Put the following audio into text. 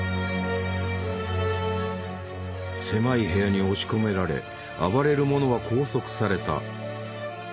狭い部屋に押し込められ暴れる者は拘束された。